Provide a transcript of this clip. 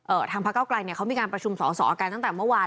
ทางพระเก้าไกลเนี่ยเขามีการประชุมสอสอกันตั้งแต่เมื่อวาน